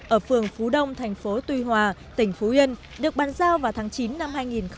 ở phường phú đông thành phố tuy hòa tỉnh phú yên được bàn giao vào tháng chín năm hai nghìn một mươi ba